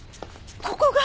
ここが？